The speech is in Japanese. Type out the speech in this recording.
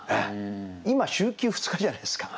今週休２日じゃないですか。